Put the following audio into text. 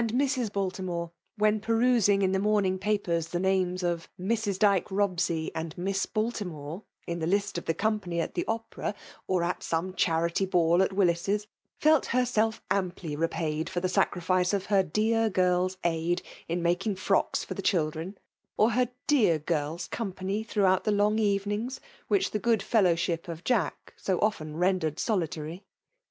OMINATION« Mrs. Baltimore, when perusing in the morning papers the name of '* Mrs. Dyke Rdbsey, anil Miss Baltimore/' in the list of the company at the Opera, or at some charity ball at r Willis's, felt herself amply repaid for the sacrifice of her dear girVs aid in making i¥ocks for the children ; or her dear girVs company throughout those long evenings, which the " good fellowship'* of Jack so often rendered solitary.